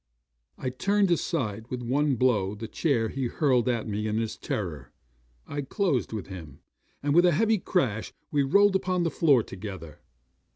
'I turned aside with one blow the chair he hurled at me in his terror, and closed with him; and with a heavy crash we rolled upon the floor together.